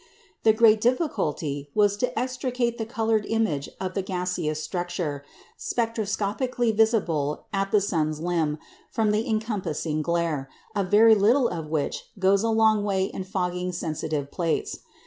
The great difficulty was to extricate the coloured image of the gaseous structure, spectroscopically visible at the sun's limb, from the encompassing glare, a very little of which goes a long way in fogging sensitive plates.